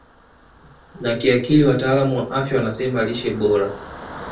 na kiakili Wataalam wa afya wanasema lishe bora